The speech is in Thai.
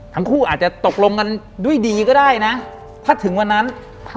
หลังจากนั้นเราไม่ได้คุยกันนะคะเดินเข้าบ้านอืม